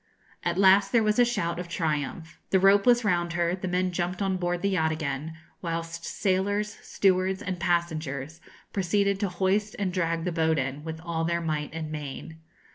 At last there was a shout of triumph. The rope was round her, the men jumped on board the yacht again, whilst sailors, stewards, and passengers proceeded to hoist and drag the boat in, with all their might and main.